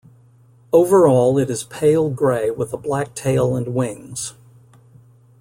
Overall it is pale grey with a black tail and wings.